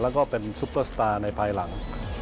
แล้วก็เป็นซุปเปอร์สตาร์ในภายหลัง